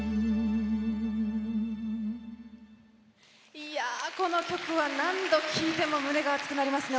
いやあ、この曲は何度聴いても胸が熱くなりますね。